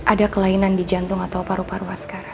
ada kelainan di jantung atau paru paru masker